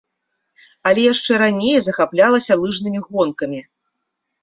Але яшчэ раней захаплялася лыжнымі гонкамі.